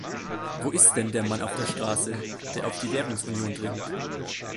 Wo ist denn der Mann auf der Straße, der auf die Währungsunion dringt?